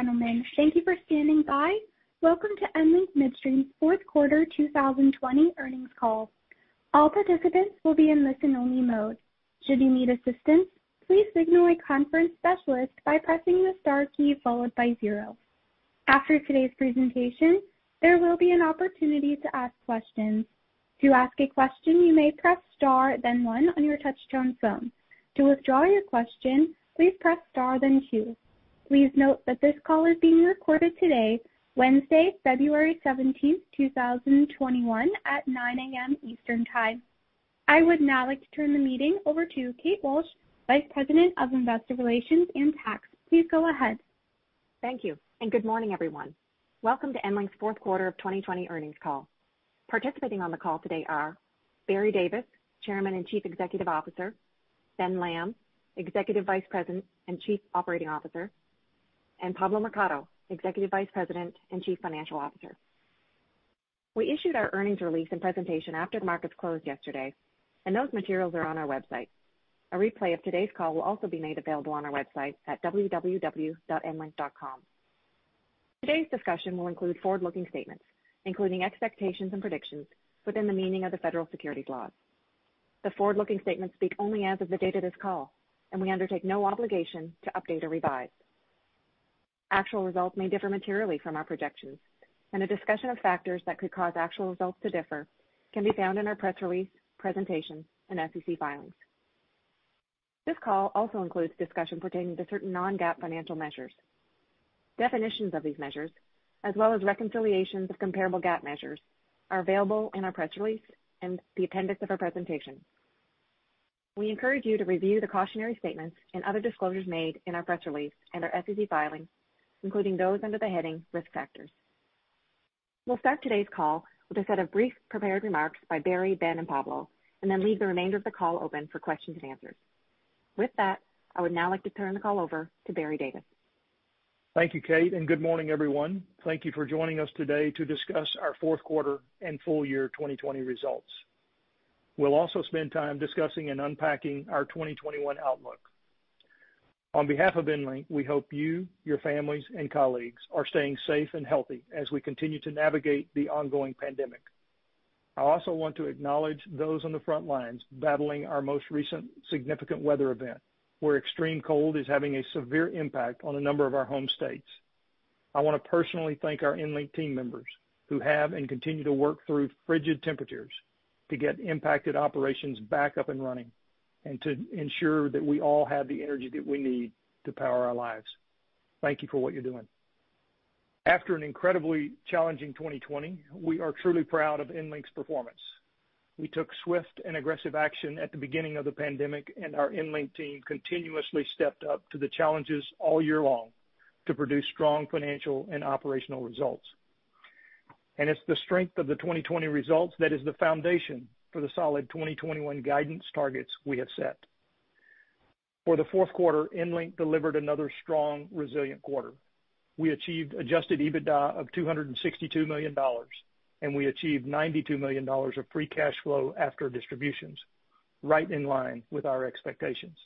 Gentlemen, thank you for standing by. Welcome to EnLink Midstream's fourth quarter 2020 earnings call. All participants will be in listen only mode. Should you need assistance, please signal a conference specialist by pressing the star key followed by zero. After today's presentation there will be an opportunity to ask questions. To ask a questions, you may press star, then one on your touchtone phone. To withdraw your question, please press star then two. Please note that this call is being recorded today, Wednesday, February 17th, 2021 at 9 A.M. Eastern time. I would now like to turn the meeting over to Kate Walsh, Vice President of Investor Relations and Tax. Please go ahead. Thank you, good morning, everyone. Welcome to EnLink's fourth quarter of 2020 earnings call. Participating on the call today are Barry Davis, Chairman and Chief Executive Officer, Ben Lamb, Executive Vice President and Chief Operating Officer, and Pablo Mercado, Executive Vice President and Chief Financial Officer. We issued our earnings release and presentation after the markets closed yesterday. Those materials are on our website. A replay of today's call will also be made available on our website at www.enlink.com. Today's discussion will include forward-looking statements, including expectations and predictions within the meaning of the federal securities laws. The forward-looking statements speak only as of the date of this call. We undertake no obligation to update or revise. Actual results may differ materially from our projections, and a discussion of factors that could cause actual results to differ can be found in our press release, presentation, and SEC filings. This call also includes discussion pertaining to certain non-GAAP financial measures. Definitions of these measures, as well as reconciliations of comparable GAAP measures, are available in our press release and the appendix of our presentation. We encourage you to review the cautionary statements and other disclosures made in our press release and our SEC filings, including those under the heading risk factors. We'll start today's call with a set of brief prepared remarks by Barry, Ben, and Pablo, and then leave the remainder of the call open for questions and answers. With that, I would now like to turn the call over to Barry Davis. Thank you, Kate. Good morning, everyone. Thank you for joining us today to discuss our fourth quarter and full year 2020 results. We'll also spend time discussing and unpacking our 2021 outlook. On behalf of EnLink, we hope you, your families, and colleagues are staying safe and healthy as we continue to navigate the ongoing pandemic. I also want to acknowledge those on the front lines battling our most recent significant weather event, where extreme cold is having a severe impact on a number of our home states. I want to personally thank our EnLink team members who have and continue to work through frigid temperatures to get impacted operations back up and running, and to ensure that we all have the energy that we need to power our lives. Thank you for what you're doing. After an incredibly challenging 2020, we are truly proud of EnLink's performance. We took swift and aggressive action at the beginning of the pandemic, our EnLink team continuously stepped up to the challenges all year long to produce strong financial and operational results. It's the strength of the 2020 results that is the foundation for the solid 2021 guidance targets we have set. For the fourth quarter, EnLink delivered another strong, resilient quarter. We achieved adjusted EBITDA of $262 million, and we achieved $92 million of free cash flow after distributions, right in line with our expectations.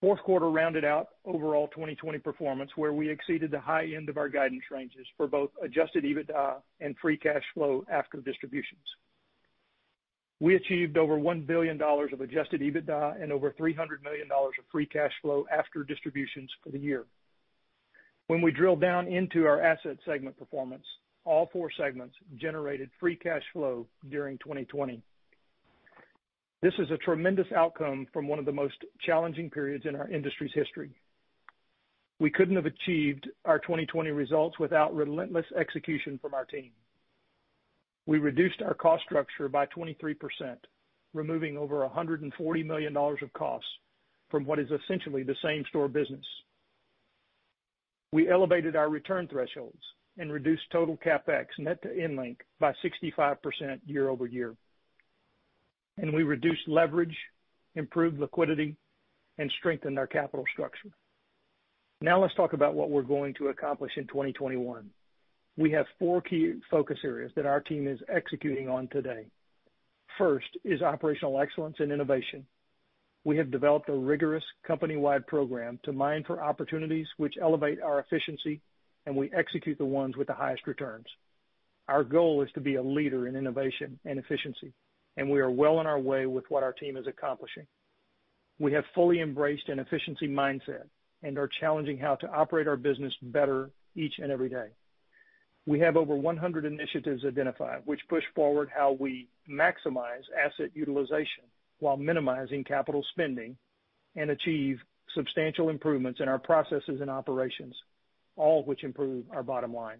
Fourth quarter rounded out overall 2020 performance, where we exceeded the high end of our guidance ranges for both adjusted EBITDA and free cash flow after distributions. We achieved over $1 billion of adjusted EBITDA and over $300 million of free cash flow after distributions for the year. When we drill down into our asset segment performance, all four segments generated free cash flow during 2020. This is a tremendous outcome from one of the most challenging periods in our industry's history. We couldn't have achieved our 2020 results without relentless execution from our team. We reduced our cost structure by 23%, removing over $140 million of costs from what is essentially the same store business. We elevated our return thresholds and reduced total CapEx net to EnLink by 65% year-over-year. We reduced leverage, improved liquidity, and strengthened our capital structure. Now let's talk about what we're going to accomplish in 2021. We have four key focus areas that our team is executing on today. First is operational excellence and innovation. We have developed a rigorous company-wide program to mine for opportunities which elevate our efficiency, and we execute the ones with the highest returns. Our goal is to be a leader in innovation and efficiency, and we are well on our way with what our team is accomplishing. We have fully embraced an efficiency mindset and are challenging how to operate our business better each and every day. We have over 100 initiatives identified which push forward how we maximize asset utilization while minimizing capital spending and achieve substantial improvements in our processes and operations, all of which improve our bottom line.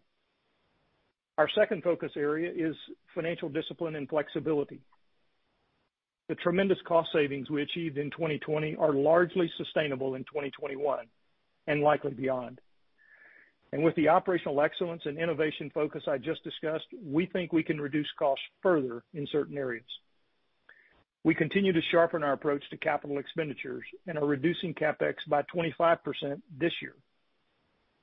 Our second focus area is financial discipline and flexibility. The tremendous cost savings we achieved in 2020 are largely sustainable in 2021, and likely beyond. With the operational excellence and innovation focus I just discussed, we think we can reduce costs further in certain areas. We continue to sharpen our approach to capital expenditures and are reducing CapEx by 25% this year,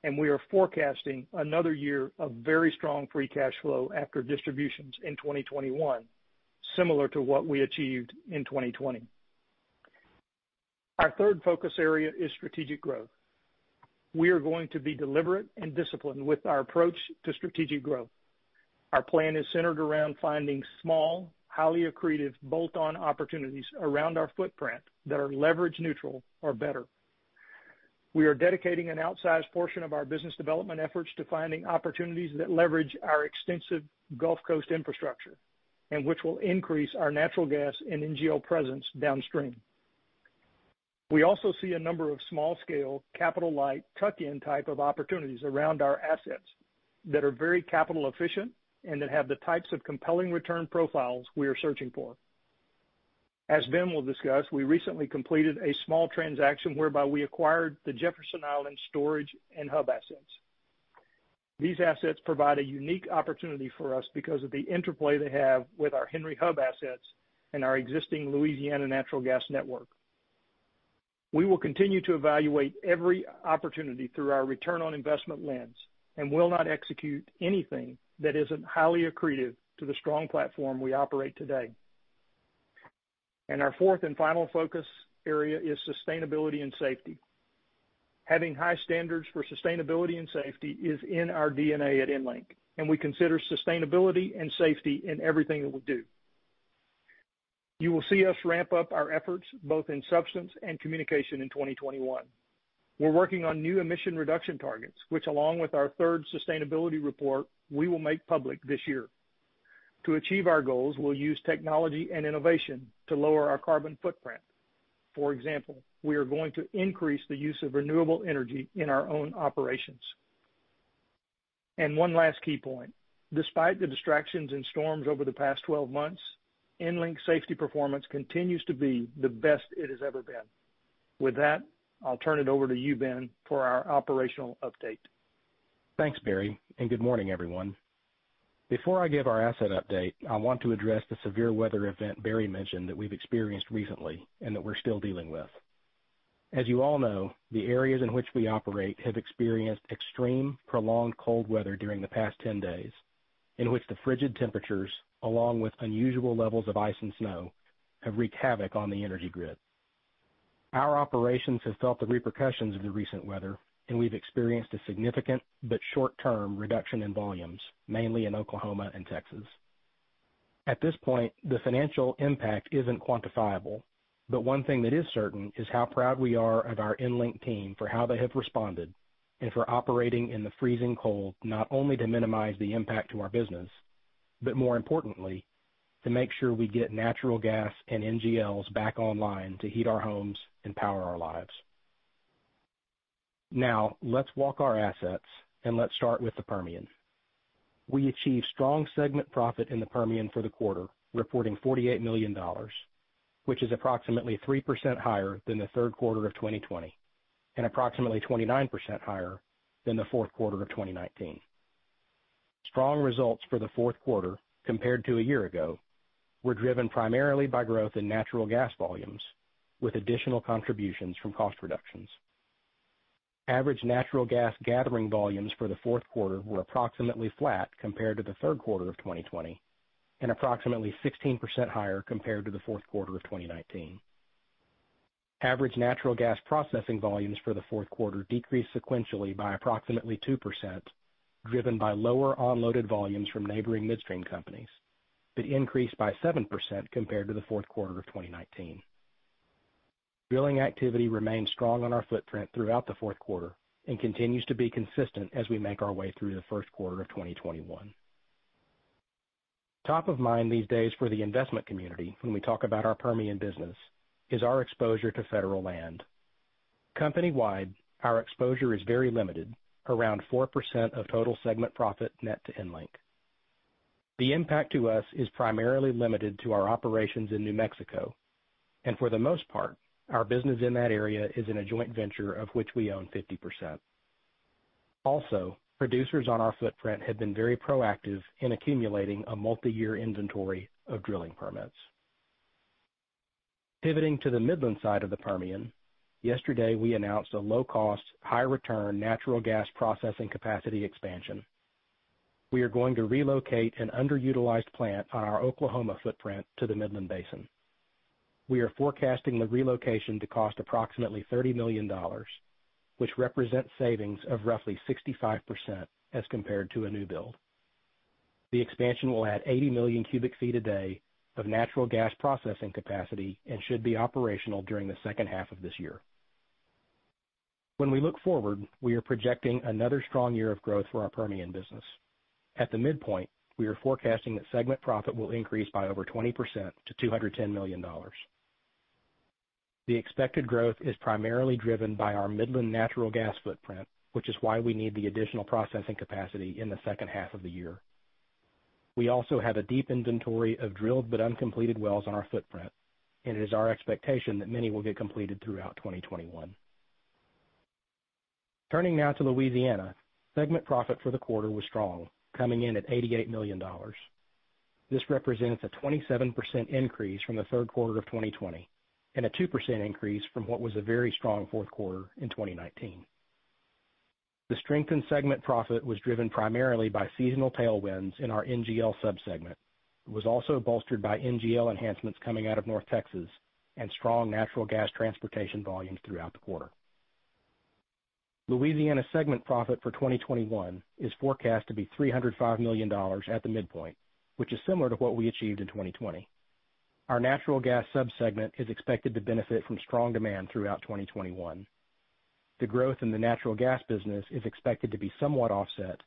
and we are forecasting another year of very strong free cash flow after distributions in 2021, similar to what we achieved in 2020. Our third focus area is strategic growth. We are going to be deliberate and disciplined with our approach to strategic growth. Our plan is centered around finding small, highly accretive, bolt-on opportunities around our footprint that are leverage neutral or better. We are dedicating an outsized portion of our business development efforts to finding opportunities that leverage our extensive Gulf Coast infrastructure and which will increase our natural gas and NGL presence downstream. We also see a number of small-scale, capital-light, tuck-in type of opportunities around our assets that are very capital efficient and that have the types of compelling return profiles we are searching for. As Ben will discuss, we recently completed a small transaction whereby we acquired the Jefferson Island Storage and Hub assets. These assets provide a unique opportunity for us because of the interplay they have with our Henry Hub assets and our existing Louisiana natural gas network. We will continue to evaluate every opportunity through our return on investment lens and will not execute anything that isn't highly accretive to the strong platform we operate today. Our fourth and final focus area is sustainability and safety. Having high standards for sustainability and safety is in our DNA at EnLink, and we consider sustainability and safety in everything that we do. You will see us ramp up our efforts both in substance and communication in 2021. We're working on new emission reduction targets, which, along with our third sustainability report, we will make public this year. To achieve our goals, we'll use technology and innovation to lower our carbon footprint. For example, we are going to increase the use of renewable energy in our own operations. One last key point. Despite the distractions and storms over the past 12 months, EnLink safety performance continues to be the best it has ever been. With that, I'll turn it over to you, Ben, for our operational update. Thanks, Barry, and good morning, everyone. Before I give our asset update, I want to address the severe weather event Barry mentioned that we've experienced recently and that we're still dealing with. As you all know, the areas in which we operate have experienced extreme, prolonged cold weather during the past 10 days, in which the frigid temperatures, along with unusual levels of ice and snow, have wreaked havoc on the energy grid. Our operations have felt the repercussions of the recent weather, and we've experienced a significant but short-term reduction in volumes, mainly in Oklahoma and Texas. At this point, the financial impact isn't quantifiable, but one thing that is certain is how proud we are of our EnLink team for how they have responded and for operating in the freezing cold, not only to minimize the impact to our business, but more importantly, to make sure we get natural gas and NGLs back online to heat our homes and power our lives. Now, let's walk our assets, and let's start with the Permian. We achieved strong segment profit in the Permian for the quarter, reporting $48 million, which is approximately 3% higher than the third quarter of 2020 and approximately 29% higher than the fourth quarter of 2019. Strong results for the fourth quarter compared to a year ago were driven primarily by growth in natural gas volumes, with additional contributions from cost reductions. Average natural gas gathering volumes for the fourth quarter were approximately flat compared to the third quarter of 2020 and approximately 16% higher compared to the fourth quarter of 2019. Average natural gas processing volumes for the fourth quarter decreased sequentially by approximately 2%, driven by lower unloaded volumes from neighboring midstream companies, but increased by 7% compared to the fourth quarter of 2019. Drilling activity remained strong on our footprint throughout the fourth quarter and continues to be consistent as we make our way through the first quarter of 2021. Top of mind these days for the investment community when we talk about our Permian business is our exposure to federal land. Company-wide, our exposure is very limited, around 4% of total segment profit net to EnLink. The impact to us is primarily limited to our operations in New Mexico, and for the most part, our business in that area is in a joint venture of which we own 50%. Producers on our footprint have been very proactive in accumulating a multi-year inventory of drilling permits. Pivoting to the Midland side of the Permian, yesterday, we announced a low-cost, high-return natural gas processing capacity expansion. We are going to relocate an underutilized plant on our Oklahoma footprint to the Midland Basin. We are forecasting the relocation to cost approximately $30 million, which represents savings of roughly 65% as compared to a new build. The expansion will add 80 million cubic feet a day of natural gas processing capacity and should be operational during the second half of this year. We look forward, we are projecting another strong year of growth for our Permian business. At the midpoint, we are forecasting that segment profit will increase by over 20% to $210 million. The expected growth is primarily driven by our Midland natural gas footprint, which is why we need the additional processing capacity in the second half of the year. We also have a deep inventory of drilled but uncompleted wells on our footprint, and it is our expectation that many will get completed throughout 2021. Turning now to Louisiana, segment profit for the quarter was strong, coming in at $88 million. This represents a 27% increase from the third quarter of 2020 and a 2% increase from what was a very strong fourth quarter in 2019. The strengthened segment profit was driven primarily by seasonal tailwinds in our NGL sub-segment. It was also bolstered by NGL enhancements coming out of North Texas and strong natural gas transportation volumes throughout the quarter. Louisiana segment profit for 2021 is forecast to be $305 million at the midpoint, which is similar to what we achieved in 2020. Our natural gas sub-segment is expected to benefit from strong demand throughout 2021. The growth in the natural gas business is expected to be somewhat offset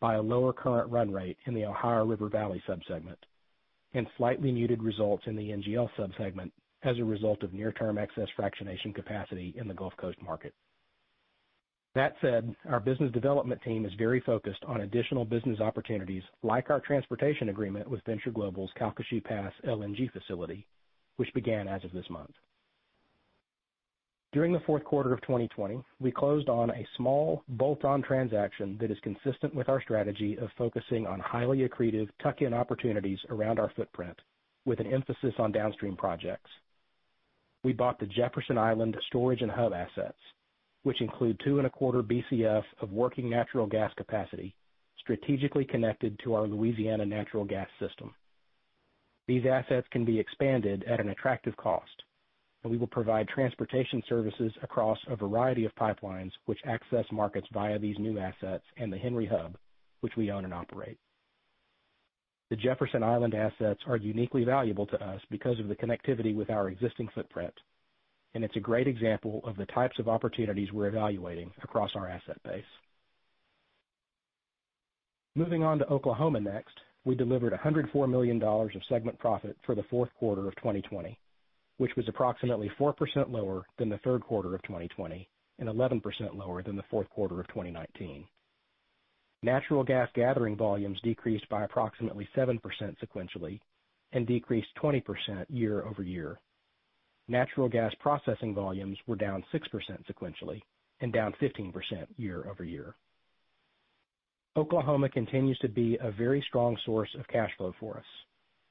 by a lower current run rate in the Ohio River Valley sub-segment and slightly muted results in the NGL sub-segment as a result of near-term excess fractionation capacity in the Gulf Coast market. That said, our business development team is very focused on additional business opportunities like our transportation agreement with Venture Global's Calcasieu Pass LNG facility, which began as of this month. During the fourth quarter of 2020, we closed on a small bolt-on transaction that is consistent with our strategy of focusing on highly accretive tuck-in opportunities around our footprint, with an emphasis on downstream projects. We bought the Jefferson Island storage and hub assets, which include two and 1/4 BCF of working natural gas capacity, strategically connected to our Louisiana natural gas system. These assets can be expanded at an attractive cost, and we will provide transportation services across a variety of pipelines which access markets via these new assets and the Henry Hub, which we own and operate. The Jefferson Island assets are uniquely valuable to us because of the connectivity with our existing footprint, and it's a great example of the types of opportunities we're evaluating across our asset base. Moving on to Oklahoma next, we delivered $104 million of segment profit for the fourth quarter of 2020, which was approximately 4% lower than the third quarter of 2020 and 11% lower than the fourth quarter of 2019. Natural gas gathering volumes decreased by approximately 7% sequentially and decreased 20% year-over-year. Natural gas processing volumes were down 6% sequentially and down 15% year-over-year. Oklahoma continues to be a very strong source of cash flow for us.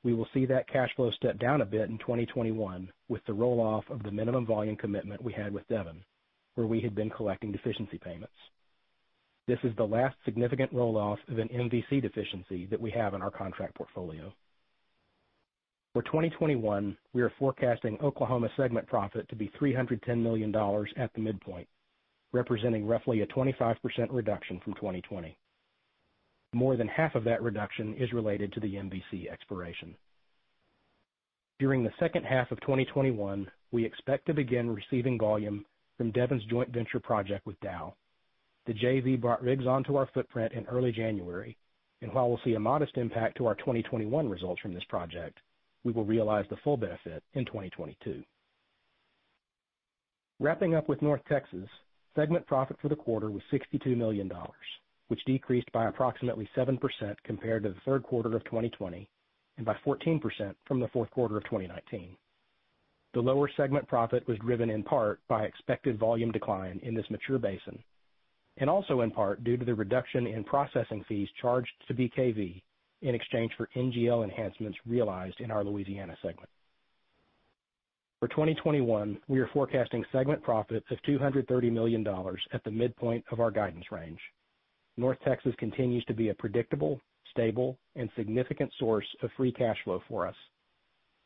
We will see that cash flow step down a bit in 2021 with the roll-off of the minimum volume commitment we had with Devon, where we had been collecting deficiency payments. This is the last significant roll-off of an MVC deficiency that we have in our contract portfolio. For 2021, we are forecasting Oklahoma segment profit to be $310 million at the midpoint, representing roughly a 25% reduction from 2020. More than half of that reduction is related to the MVC expiration. During the second half of 2021, we expect to begin receiving volume from Devon's joint venture project with Dow. The JV brought rigs onto our footprint in early January, and while we'll see a modest impact to our 2021 results from this project, we will realize the full benefit in 2022. Wrapping up with North Texas, segment profit for the quarter was $62 million, which decreased by approximately 7% compared to the third quarter of 2020 and by 14% from the fourth quarter of 2019. The lower segment profit was driven in part by expected volume decline in this mature basin and also in part due to the reduction in processing fees charged to BKV in exchange for NGL enhancements realized in our Louisiana segment. For 2021, we are forecasting segment profits of $230 million at the midpoint of our guidance range. North Texas continues to be a predictable, stable, and significant source of free cash flow for us.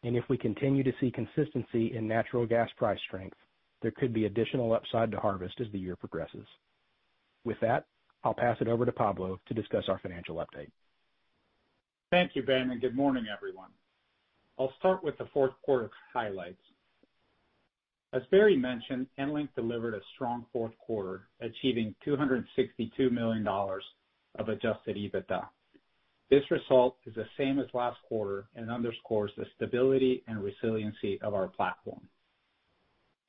If we continue to see consistency in natural gas price strength, there could be additional upside to harvest as the year progresses. With that, I'll pass it over to Pablo to discuss our financial update. Thank you, Ben. Good morning, everyone. I'll start with the fourth quarter highlights. As Barry mentioned, EnLink delivered a strong fourth quarter, achieving $262 million of adjusted EBITDA. This result is the same as last quarter and underscores the stability and resiliency of our platform.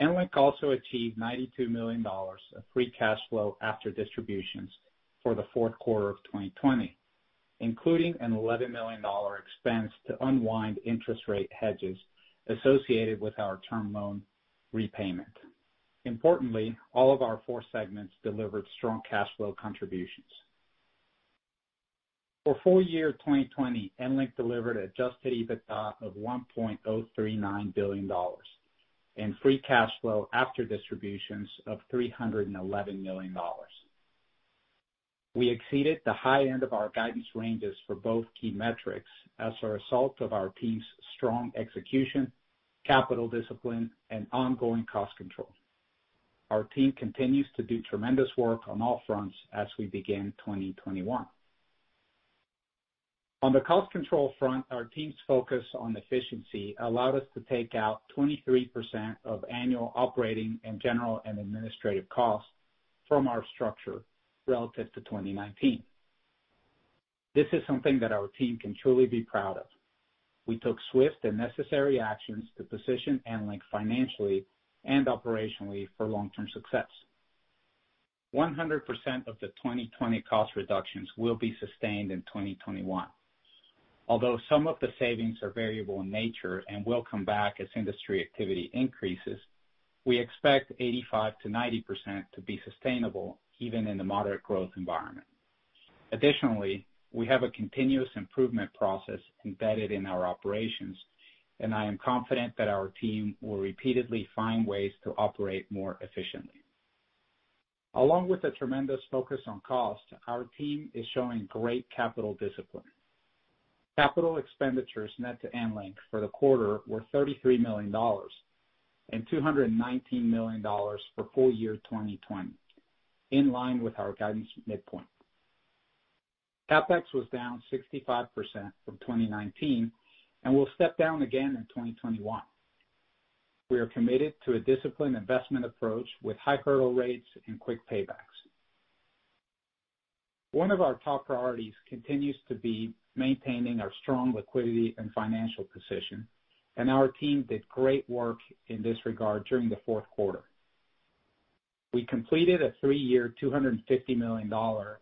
EnLink also achieved $92 million of free cash flow after distributions for the fourth quarter of 2020, including an $11 million expense to unwind interest rate hedges associated with our term loan repayment. Importantly, all of our four segments delivered strong cash flow contributions. For full year 2020, EnLink delivered adjusted EBITDA of $1.039 billion and free cash flow after distributions of $311 million. We exceeded the high end of our guidance ranges for both key metrics as a result of our team's strong execution, capital discipline, and ongoing cost control. Our team continues to do tremendous work on all fronts as we begin 2021. On the cost control front, our team's focus on efficiency allowed us to take out 23% of annual operating and general and administrative costs from our structure relative to 2019. This is something that our team can truly be proud of. We took swift and necessary actions to position EnLink financially and operationally for long-term success. 100% of the 2020 cost reductions will be sustained in 2021. Although some of the savings are variable in nature and will come back as industry activity increases, we expect 85%-90% to be sustainable even in the moderate growth environment. We have a continuous improvement process embedded in our operations, and I am confident that our team will repeatedly find ways to operate more efficiently. Along with a tremendous focus on cost, our team is showing great capital discipline. Capital expenditures net to EnLink for the quarter were $33 million and $219 million for full year 2020, in line with our guidance midpoint. CapEx was down 65% from 2019 and will step down again in 2021. We are committed to a disciplined investment approach with high hurdle rates and quick paybacks. One of our top priorities continues to be maintaining our strong liquidity and financial position, and our team did great work in this regard during the fourth quarter. We completed a three-year $250 million AR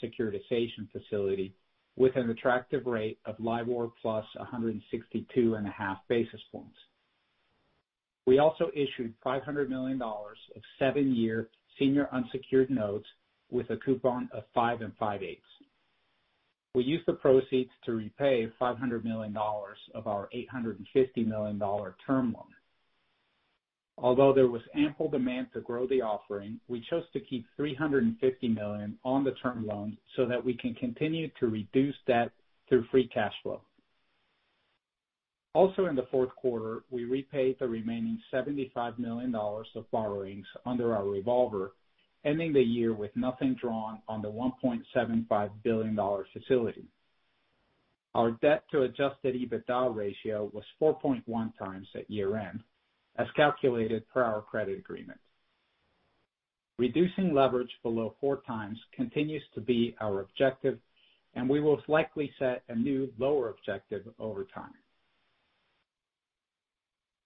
Securitization Facility with an attractive rate of LIBOR plus 162.5 basis points. We also issued $500 million of seven-year senior unsecured notes with a coupon of 5.625. We used the proceeds to repay $500 million of our $850 million term loan. Although there was ample demand to grow the offering, we chose to keep $350 million on the term loan so that we can continue to reduce debt through free cash flow. Also in the fourth quarter, we repaid the remaining $75 million of borrowings under our revolver, ending the year with nothing drawn on the $1.75 billion facility. Our debt to adjusted EBITDA ratio was 4.1x at year-end, as calculated per our credit agreement. Reducing leverage below four times continues to be our objective, and we will likely set a new, lower objective over time.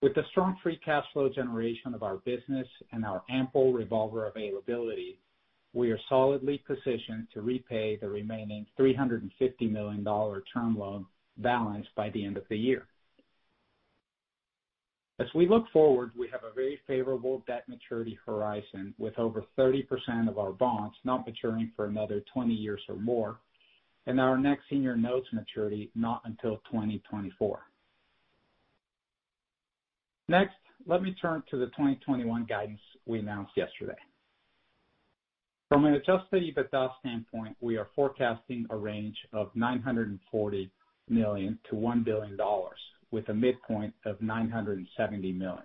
With the strong free cash flow generation of our business and our ample revolver availability, we are solidly positioned to repay the remaining $350 million term loan balance by the end of the year. As we look forward, we have a very favorable debt maturity horizon, with over 30% of our bonds not maturing for another 20 years or more, and our next senior notes maturity not until 2024. Next, let me turn to the 2021 guidance we announced yesterday. From an adjusted EBITDA standpoint, we are forecasting a range of $940 million-$1 billion, with a midpoint of $970 million.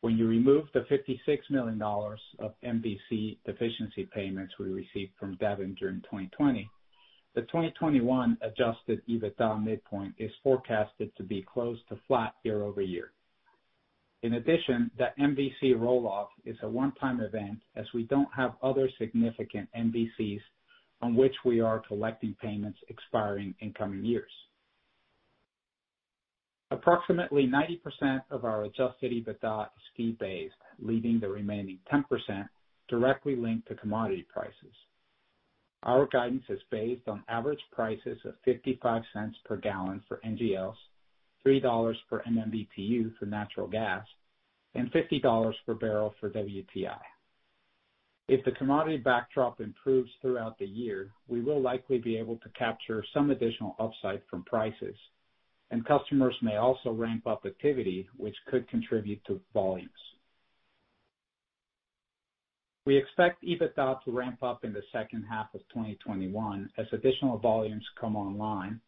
When you remove the $56 million of MVC deficiency payments we received from Devon during 2020, the 2021 adjusted EBITDA midpoint is forecasted to be close to flat year-over-year. In addition, that MVC roll-off is a one-time event, as we don't have other significant MVCs on which we are collecting payments expiring in coming years. Approximately 90% of our adjusted EBITDA is fee-based, leaving the remaining 10% directly linked to commodity prices. Our guidance is based on average prices of $0.55 per gal for NGLs, $3 per MMBtu for natural gas, and $50 per bbl for WTI. If the commodity backdrop improves throughout the year, we will likely be able to capture some additional upside from prices. Customers may also ramp up activity, which could contribute to volumes. We expect EBITDA to ramp up in the second half of 2021 as additional volumes come online,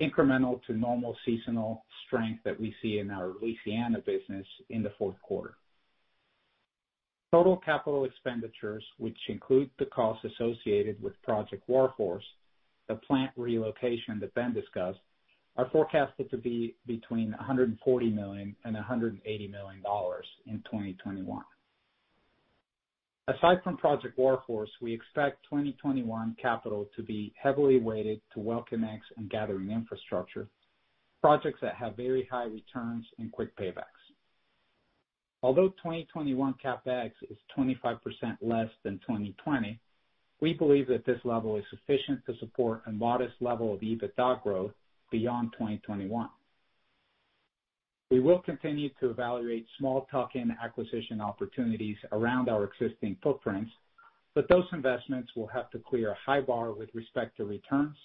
incremental to normal seasonal strength that we see in our Louisiana business in the fourth quarter. Total capital expenditures, which include the costs associated with Project War Horse, the plant relocation that Ben discussed, are forecasted to be between $140 million and $180 million in 2021. Aside from Project War Horse, we expect 2021 capital to be heavily weighted to Well connects and gathering infrastructure, projects that have very high returns and quick paybacks. Although 2021 CapEx is 25% less than 2020, we believe that this level is sufficient to support a modest level of EBITDA growth beyond 2021. We will continue to evaluate small tuck-in acquisition opportunities around our existing footprints, those investments will have to clear a high bar with respect to returns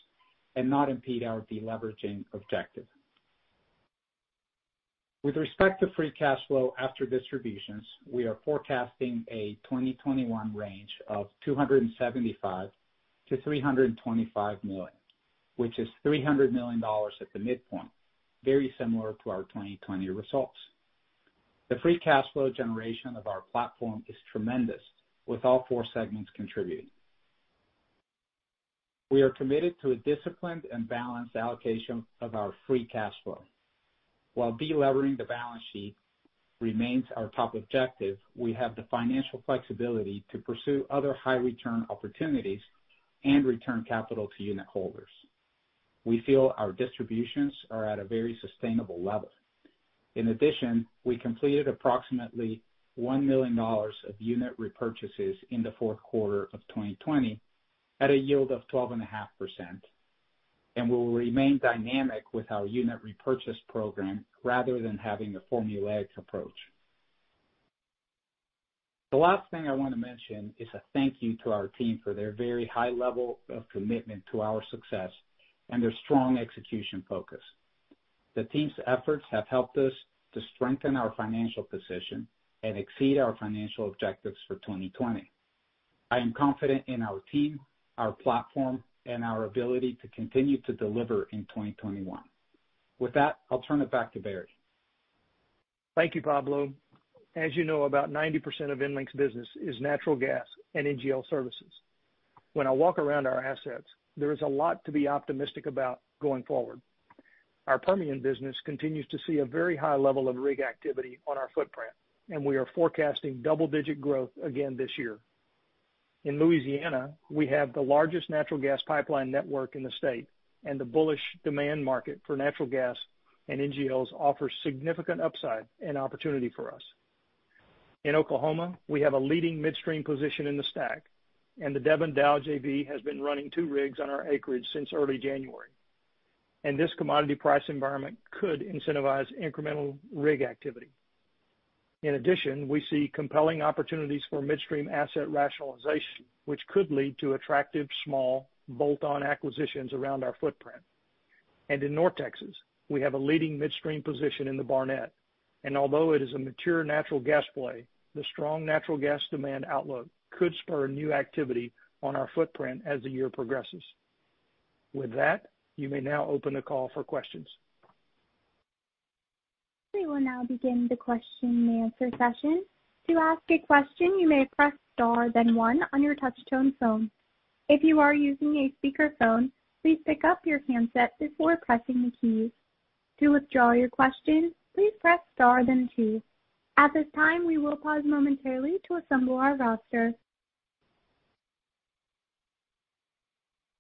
and not impede our de-leveraging objective. With respect to free cash flow after distributions, we are forecasting a 2021 range of $275 million-$325 million, which is $300 million at the midpoint, very similar to our 2020 results. The free cash flow generation of our platform is tremendous, with all four segments contributing. We are committed to a disciplined and balanced allocation of our free cash flow. While de-levering the balance sheet remains our top objective, we have the financial flexibility to pursue other high return opportunities and return capital to unitholders. We feel our distributions are at a very sustainable level. In addition, we completed approximately $1 million of unit repurchases in the fourth quarter of 2020 at a yield of 12.5%. We will remain dynamic with our unit repurchase program rather than having a formulaic approach. The last thing I want to mention is a thank you to our team for their very high level of commitment to our success and their strong execution focus. The team's efforts have helped us to strengthen our financial position and exceed our financial objectives for 2020. I am confident in our team, our platform, and our ability to continue to deliver in 2021. With that, I'll turn it back to Barry. Thank you, Pablo. As you know, about 90% of EnLink's business is natural gas and NGL services. When I walk around our assets, there is a lot to be optimistic about going forward. Our Permian business continues to see a very high level of rig activity on our footprint, and we are forecasting double-digit growth again this year. In Louisiana, we have the largest natural gas pipeline network in the state, and the bullish demand market for natural gas and NGLs offers significant upside and opportunity for us. In Oklahoma, we have a leading midstream position in the STACK, and the Devon/Dow JV has been running two rigs on our acreage since early January. This commodity price environment could incentivize incremental rig activity. In addition, we see compelling opportunities for midstream asset rationalization, which could lead to attractive small bolt-on acquisitions around our footprint. In North Texas, we have a leading midstream position in the Barnett, and although it is a mature natural gas play, the strong natural gas demand outlook could spur new activity on our footprint as the year progresses. With that, you may now open the call for questions. We'll now begin the question and answer session. If you ask the a question, you may press star then one on your touchtone phone. If you are using a speaker phone, please pick up your handset before pressing the keys. To withdraw your question, please press star then two. At this time we will pause momentarily for some more roster.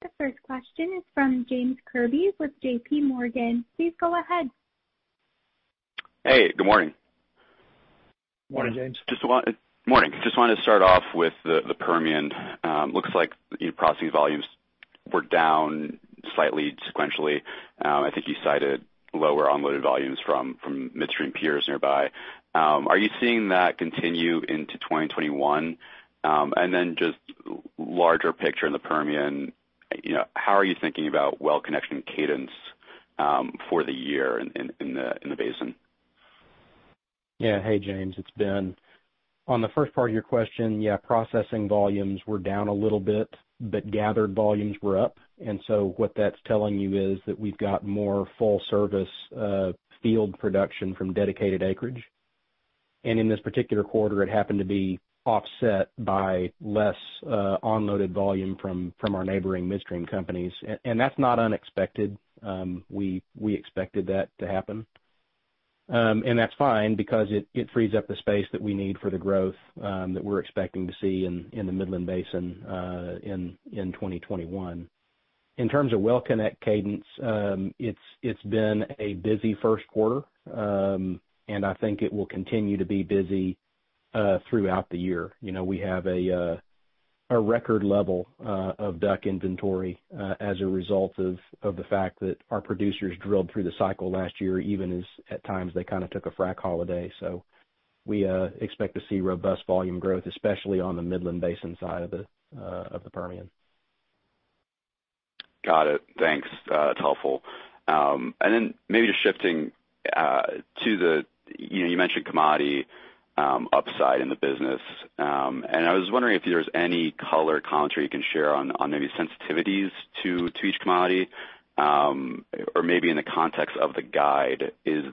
The first question is from James Kirby with JPMorgan. Please go ahead. Hey, good morning. Morning, James. Morning. Just wanted to start off with the Permian. Looks like processing volumes were down slightly sequentially. I think you cited lower unloaded volumes from midstream peers nearby. Are you seeing that continue into 2021? Then just larger picture in the Permian, how are you thinking about well connection cadence for the year in the basin? Yeah. Hey, James, it's Ben. On the first part of your question, yeah, processing volumes were down a little bit, but gathered volumes were up. What that's telling you is that we've got more full-service field production from dedicated acreage. In this particular quarter, it happened to be offset by less unloaded volume from our neighboring midstream companies. That's not unexpected. We expected that to happen. That's fine because it frees up the space that we need for the growth that we're expecting to see in the Midland Basin in 2021. In terms of well connects cadence, it's been a busy first quarter. I think it will continue to be busy throughout the year. We have a record level of DUC inventory as a result of the fact that our producers drilled through the cycle last year, even as at times they kind of took a frac holiday. We expect to see robust volume growth, especially on the Midland Basin side of the Permian. Got it. Thanks. That's helpful. Maybe just shifting to the, you mentioned commodity upside in the business. I was wondering if there's any color or commentary you can share on maybe sensitivities to each commodity. Maybe in the context of the guide, is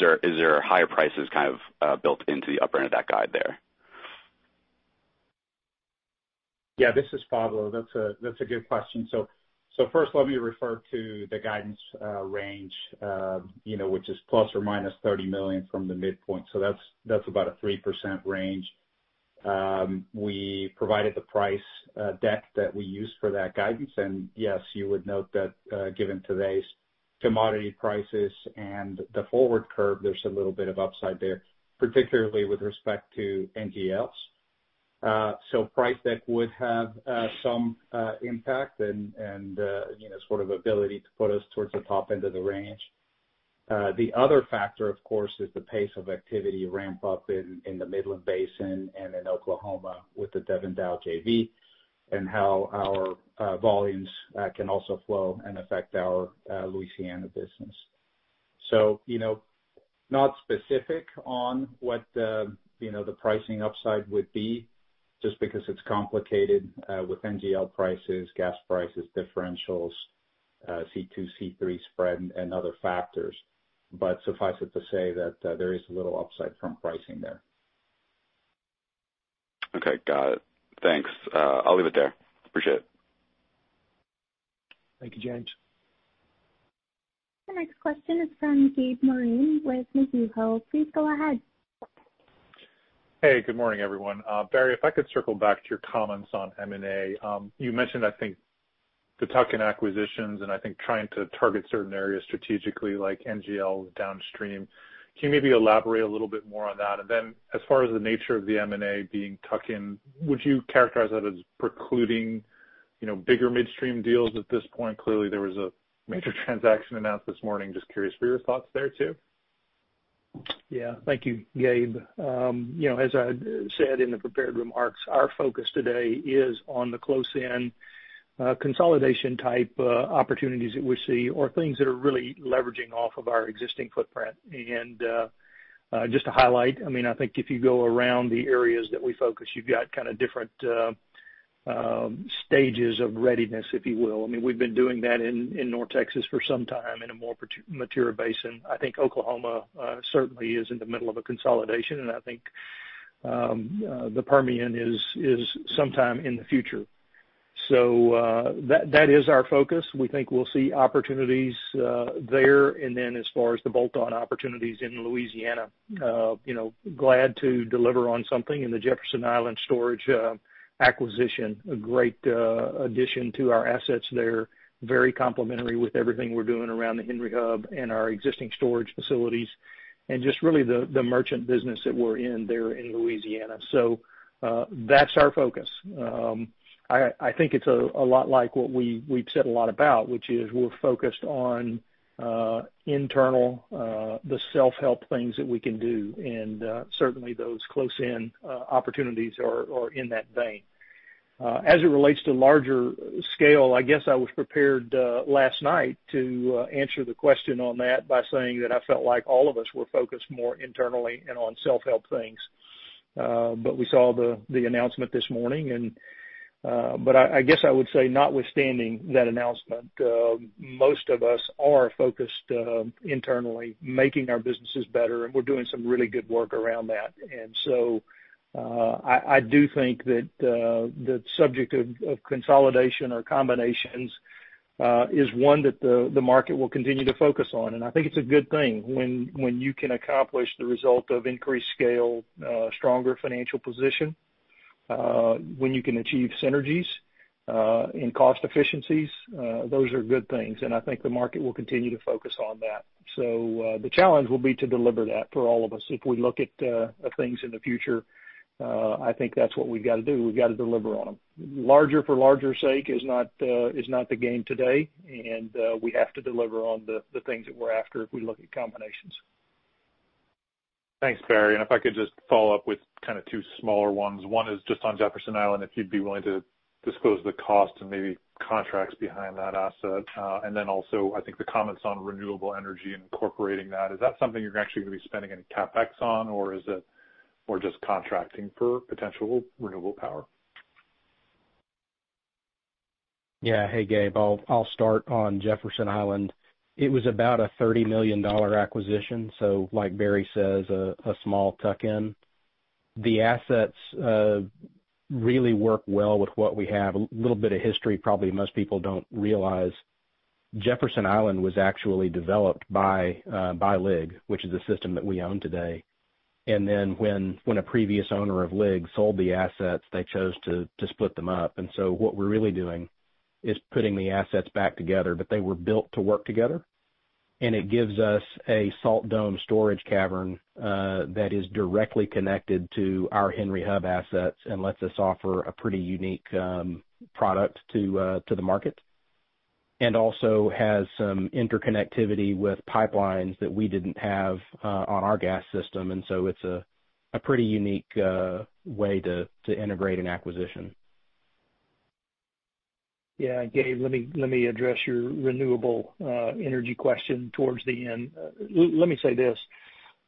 there higher prices kind of built into the upper end of that guide there? Yeah, this is Pablo. That's a good question. First, let me refer to the guidance range, which is ±$30 million from the midpoint. That's about a 3% range. We provided the price deck that we used for that guidance. Yes, you would note that given today's commodity prices and the forward curve, there's a little bit of upside there, particularly with respect to NGLs. Price deck would have some impact and sort of ability to put us towards the top end of the range. The other factor, of course, is the pace of activity ramp up in the Midland Basin and in Oklahoma with the Devon/Dow JV, and how our volumes can also flow and affect our Louisiana business. Not specific on what the pricing upside would be just because it's complicated with NGL prices, gas prices, differentials, C2, C3 spread, and other factors. Suffice it to say that there is a little upside from pricing there. Okay, got it. Thanks. I'll leave it there. Appreciate it. Thank you, James. The next question is from Gabe Moreen with Mizuho. Please go ahead. Hey, good morning, everyone. Barry, if I could circle back to your comments on M&A. You mentioned, I think, the tuck-in acquisitions and I think trying to target certain areas strategically, like NGL downstream. Can you maybe elaborate a little bit more on that? As far as the nature of the M&A being tuck-in, would you characterize that as precluding bigger midstream deals at this point. Clearly, there was a major transaction announced this morning. Just curious for your thoughts there, too. Yeah. Thank you, Gabe. As I said in the prepared remarks, our focus today is on the close-in consolidation type opportunities that we see or things that are really leveraging off of our existing footprint. Just to highlight, I think if you go around the areas that we focus, you've got different stages of readiness, if you will. We've been doing that in North Texas for some time in a more mature basin. I think Oklahoma certainly is in the middle of a consolidation, and I think the Permian is sometime in the future. That is our focus. We think we'll see opportunities there. As far as the bolt-on opportunities in Louisiana, glad to deliver on something in the Jefferson Island Storage acquisition. A great addition to our assets there. Very complementary with everything we're doing around the Henry Hub and our existing storage facilities, and just really the merchant business that we're in there in Louisiana. That's our focus. I think it's a lot like what we've said a lot about, which is we're focused on internal, the self-help things that we can do, and certainly those close-in opportunities are in that vein. As it relates to larger scale, I guess I was prepared last night to answer the question on that by saying that I felt like all of us were focused more internally and on self-help things. We saw the announcement this morning. I guess I would say notwithstanding that announcement, most of us are focused internally, making our businesses better, and we're doing some really good work around that. I do think that the subject of consolidation or combinations is one that the market will continue to focus on, and I think it's a good thing when you can accomplish the result of increased scale, stronger financial position. When you can achieve synergies in cost efficiencies, those are good things, and I think the market will continue to focus on that. The challenge will be to deliver that for all of us. If we look at things in the future, I think that's what we've got to do. We've got to deliver on them. Larger for larger sake is not the game today, and we have to deliver on the things that we're after if we look at combinations. Thanks, Barry. If I could just follow up with two smaller ones. One is just on Jefferson Island, if you'd be willing to disclose the cost and maybe contracts behind that asset. Also, I think the comments on renewable energy and incorporating that, is that something you're actually going to be spending any CapEx on, or is it more just contracting for potential renewable power? Yeah. Hey, Gabe. I'll start on Jefferson Island. It was about a $30 million acquisition, so like Barry says, a small tuck-in. The assets really work well with what we have. A little bit of history probably most people don't realize. Jefferson Island was actually developed by LIG, which is a system that we own today. When a previous owner of LIG sold the assets, they chose to split them up. What we're really doing is putting the assets back together. They were built to work together, and it gives us a salt dome storage cavern that is directly connected to our Henry Hub assets and lets us offer a pretty unique product to the market. Also has some interconnectivity with pipelines that we didn't have on our gas system. It's a pretty unique way to integrate an acquisition. Gabe Moreen, let me address your renewable energy question towards the end. Let me say this.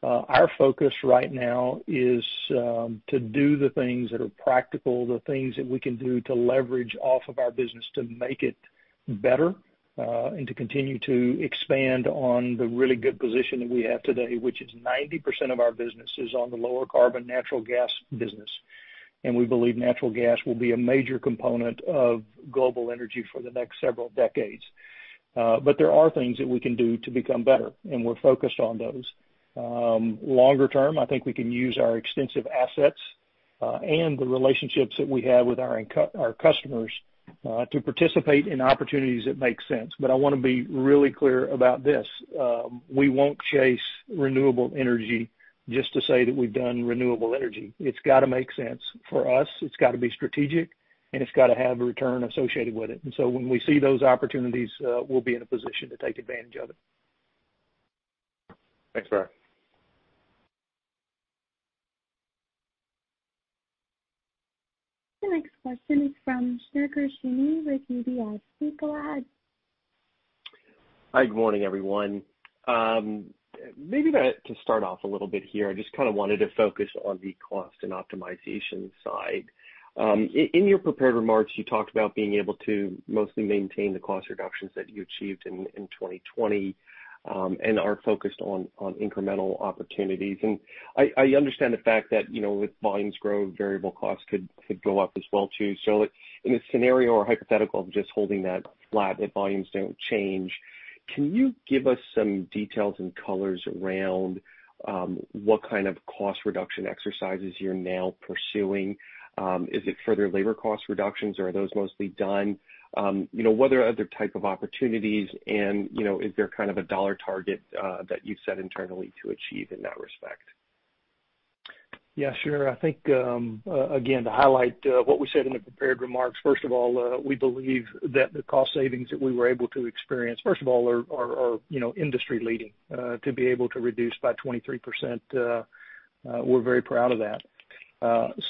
Our focus right now is to do the things that are practical, the things that we can do to leverage off of our business to make it better, and to continue to expand on the really good position that we have today, which is 90% of our business is on the lower carbon natural gas business. We believe natural gas will be a major component of global energy for the next several decades. There are things that we can do to become better, and we're focused on those. Longer term, I think we can use our extensive assets, and the relationships that we have with our customers, to participate in opportunities that make sense. I want to be really clear about this. We won't chase renewable energy just to say that we've done renewable energy. It's got to make sense for us, it's got to be strategic, and it's got to have a return associated with it. When we see those opportunities, we'll be in a position to take advantage of it. Thanks, Barry. The next question is from Shneur Gershuni with UBS. Please, go ahead. Hi, good morning, everyone. Maybe to start off a little bit here, I just wanted to focus on the cost and optimization side. In your prepared remarks, you talked about being able to mostly maintain the cost reductions that you achieved in 2020, and are focused on incremental opportunities. I understand the fact that with volumes grow, variable costs could go up as well too. In a scenario or hypothetical of just holding that flat, if volumes don't change, can you give us some details and colors around what kind of cost reduction exercises you're now pursuing? Is it further labor cost reductions, or are those mostly done? What are other type of opportunities, and is there a dollar target that you've set internally to achieve in that respect? Yeah, sure. I think, again, to highlight what we said in the prepared remarks, first of all, we believe that the cost savings that we were able to experience, first of all, are industry leading. To be able to reduce by 23%, we're very proud of that.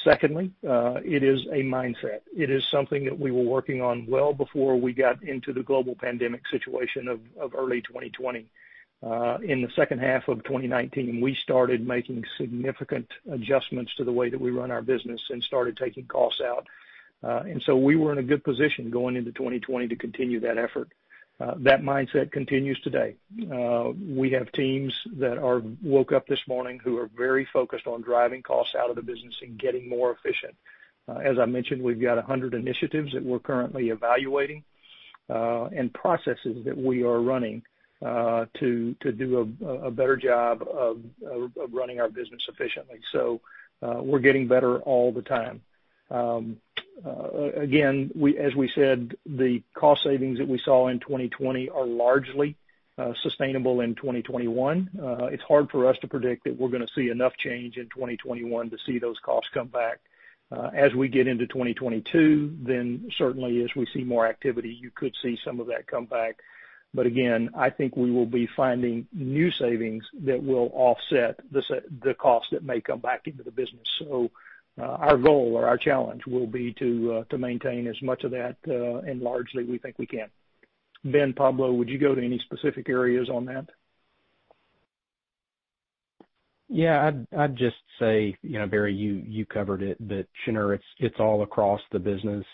Secondly, it is a mindset. It is something that we were working on well before we got into the global pandemic situation of early 2020. In the second half of 2019, we started making significant adjustments to the way that we run our business and started taking costs out. We were in a good position going into 2020 to continue that effort. That mindset continues today. We have teams that woke up this morning who are very focused on driving costs out of the business and getting more efficient. As I mentioned, we've got 100 initiatives that we're currently evaluating, and processes that we are running to do a better job of running our business efficiently. We're getting better all the time. Again, as we said, the cost savings that we saw in 2020 are largely sustainable in 2021. It's hard for us to predict that we're going to see enough change in 2021 to see those costs come back. As we get into 2022, certainly as we see more activity, you could see some of that come back. Again, I think we will be finding new savings that will offset the cost that may come back into the business. Our goal or our challenge will be to maintain as much of that, and largely, we think we can. Ben, Pablo, would you go to any specific areas on that? Yeah. I'd just say, Barry, you covered it. Shneur, it's all across the business.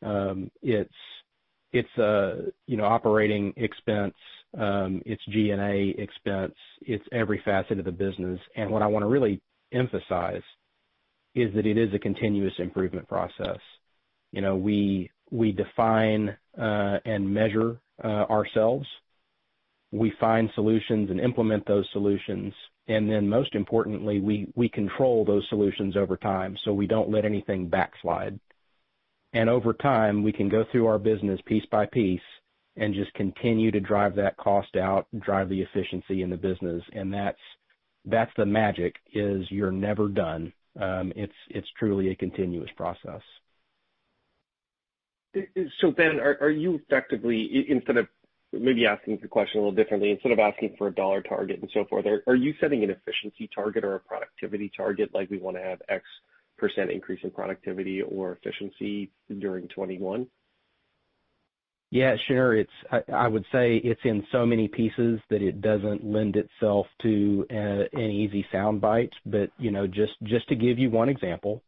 It's operating expense. It's G&A expense. It's every facet of the business. What I want to really emphasize is that it is a continuous improvement process. We define and measure ourselves. We find solutions and implement those solutions. Then most importantly, we control those solutions over time, so we don't let anything backslide. Over time, we can go through our business piece by piece and just continue to drive that cost out, drive the efficiency in the business. That's the magic, is you're never done. It's truly a continuous process. Ben, maybe asking the question a little differently, instead of asking for a dollar target and so forth, are you setting an efficiency target or a productivity target? Like we want to have X% increase in productivity or efficiency during 2021? Yeah, sure. I would say it's in so many pieces that it doesn't lend itself to any easy soundbites. Just to give you one example,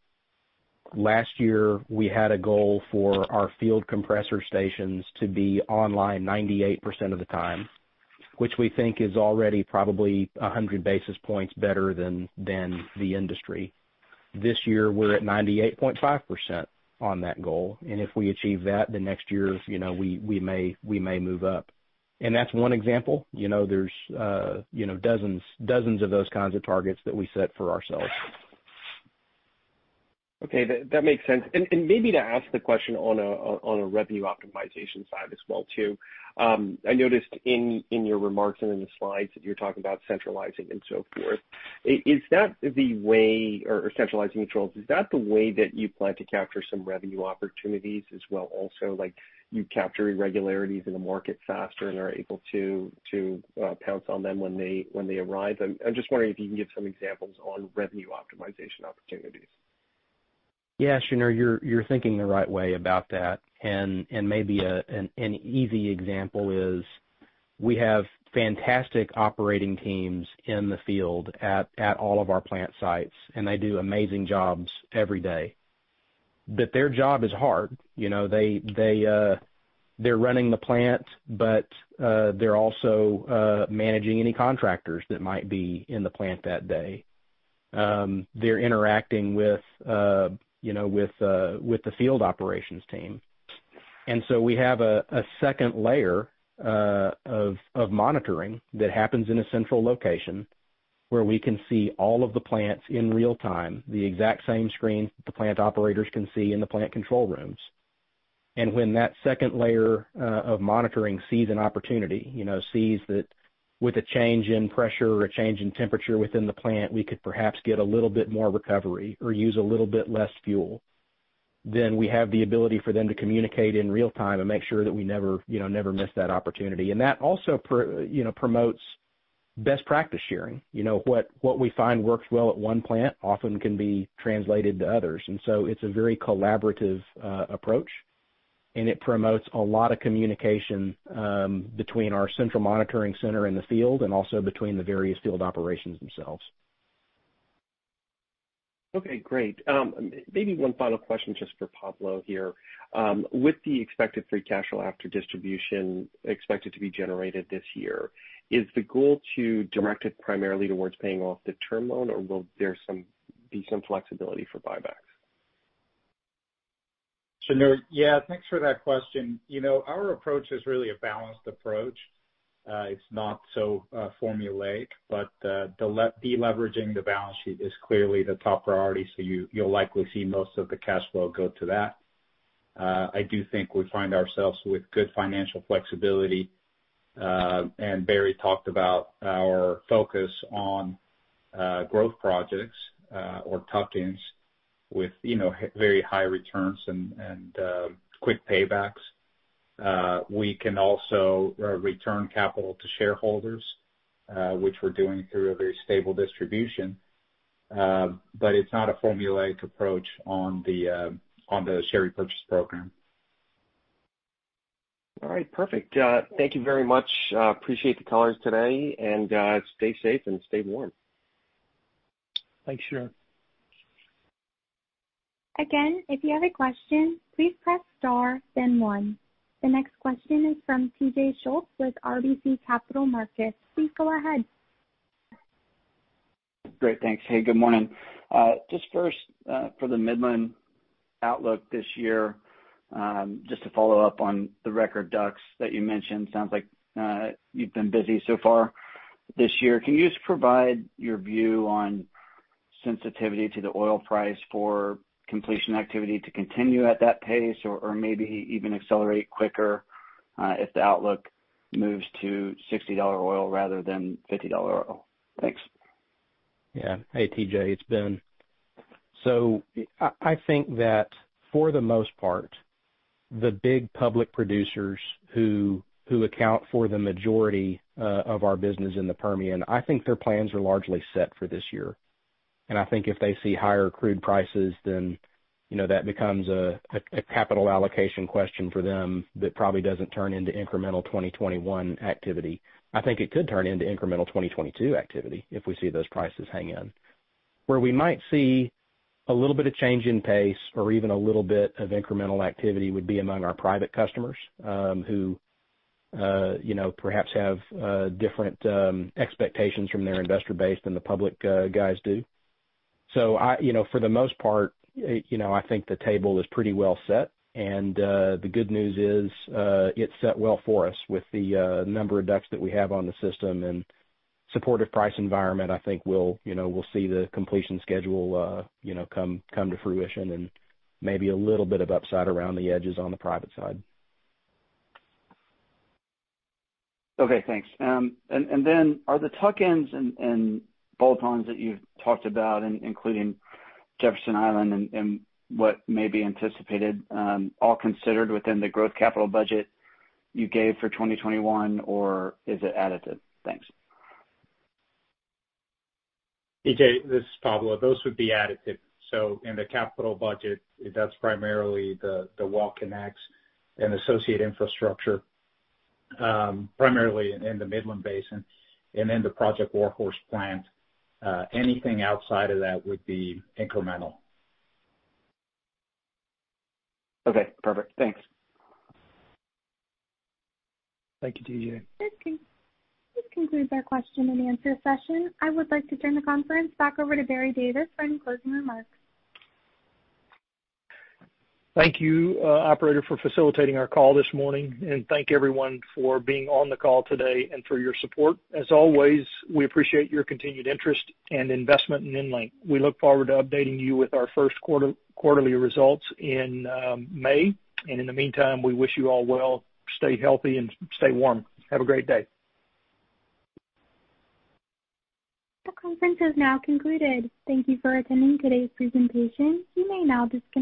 last year, we had a goal for our field compressor stations to be online 98% of the time, which we think is already probably 100 basis points better than the industry. This year, we're at 98.5% on that goal, if we achieve that, then next year, we may move up. That's one example. There's dozens of those kinds of targets that we set for ourselves. Okay. That makes sense. Maybe to ask the question on a revenue optimization side as well, too. I noticed in your remarks and in the slides that you're talking about centralizing and so forth. Centralizing controls, is that the way that you plan to capture some revenue opportunities as well also? Like you capture irregularities in the market faster and are able to pounce on them when they arrive? I'm just wondering if you can give some examples on revenue optimization opportunities. Yeah, Shneur, you're thinking the right way about that. Maybe an easy example is we have fantastic operating teams in the field at all of our plant sites, and they do amazing jobs every day. Their job is hard. They're running the plant, but they're also managing any contractors that might be in the plant that day. They're interacting with the field operations team. We have a second layer of monitoring that happens in a central location where we can see all of the plants in real time, the exact same screen that the plant operators can see in the plant control rooms. When that second layer of monitoring sees an opportunity, sees that with a change in pressure or a change in temperature within the plant, we could perhaps get a little bit more recovery or use a little bit less fuel, then we have the ability for them to communicate in real time and make sure that we never miss that opportunity. That also promotes best practice sharing. What we find works well at one plant often can be translated to others. It's a very collaborative approach, and it promotes a lot of communication between our central monitoring center in the field and also between the various field operations themselves. Okay, great. Maybe one final question just for Pablo here. With the expected free cash flow after distribution expected to be generated this year, is the goal to direct it primarily towards paying off the term loan, or will there be some flexibility for buybacks? Shneur, yeah. Thanks for that question. Our approach is really a balanced approach. It's not so formulaic, but deleveraging the balance sheet is clearly the top priority, so you'll likely see most of the cash flow go to that. I do think we find ourselves with good financial flexibility. Barry talked about our focus on growth projects or tuck-ins with very high returns and quick paybacks. We can also return capital to shareholders, which we're doing through a very stable distribution. It's not a formulaic approach on the share repurchase program. All right. Perfect. Thank you very much. Appreciate the colors today, and stay safe and stay warm. Thanks. Sure. Again, if you have a question, please press star, then one. The next question is from TJ Schultz with RBC Capital Markets. Please go ahead. Great. Thanks. Hey, good morning. Just first, for the Midland outlook this year, just to follow up on the record DUCs that you mentioned, sounds like you've been busy so far this year. Can you just provide your view on sensitivity to the oil price for completion activity to continue at that pace or maybe even accelerate quicker, if the outlook moves to $60 oil rather than $50 oil? Thanks. Yeah. Hey, TJ. It's Ben. I think that for the most part, the big public producers who account for the majority of our business in the Permian, I think their plans are largely set for this year. I think if they see higher crude prices, then that becomes a capital allocation question for them that probably doesn't turn into incremental 2021 activity. I think it could turn into incremental 2022 activity if we see those prices hang in. Where we might see a little bit of change in pace or even a little bit of incremental activity would be among our private customers, who perhaps have different expectations from their investor base than the public guys do. For the most part, I think the table is pretty well set, and the good news is, it's set well for us with the number of DUCs that we have on the system. In a supportive price environment, I think we'll see the completion schedule come to fruition and maybe a little bit of upside around the edges on the private side. Okay. Thanks. Are the tuck-ins and bolt-ons that you've talked about, including Jefferson Island and what may be anticipated, all considered within the growth capital budget you gave for 2021, or is it additive? Thanks. TJ, this is Pablo. Those would be additive. In the capital budget, that's primarily the well connects and associate infrastructure, primarily in the Midland Basin, the Project War Horse plant. Anything outside of that would be incremental. Okay. Perfect. Thanks. Thank you, TJ. This concludes our question and answer session. I would like to turn the conference back over to Barry Davis for any closing remarks. Thank you, operator, for facilitating our call this morning, and thank everyone for being on the call today and for your support. As always, we appreciate your continued interest and investment in EnLink. We look forward to updating you with our first quarterly results in May. In the meantime, we wish you all well. Stay healthy and stay warm. Have a great day. The conference has now concluded. Thank you for attending today's presentation. You may now disconnect.